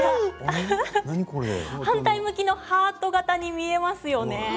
反対向きのハート形に見えますよね。